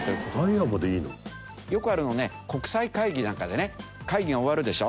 よくあるのね国際会議なんかでね会議が終わるでしょ？